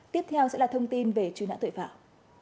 tiếp theo sẽ là thông tin về truy nã tội phạm